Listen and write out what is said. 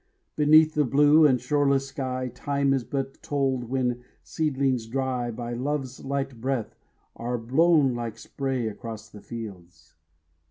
Beneath the blue and shoreless sky, Time is but told when seedlings dry By love's light breath are blown like spray Across the fields.